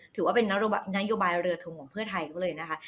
ถือว่าเป็นนโยบายเรือทงของเพื่อไทยเขาเลยนะคะ